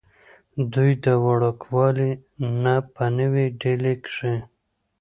دوي د وړوکوالي نه پۀ نوي ډيلي کښې